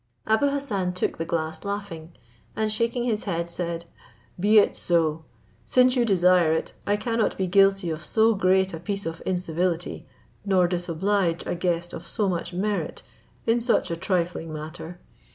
Abou Hassan took the glass laughing, and shaking his head, said, "Be it so; since you desire it, I cannot be guilty of so great a piece of incivility, nor disoblige a guest of so much merit in such a trifling matter.